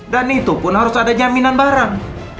dan itu pun harus ada nyaminan barang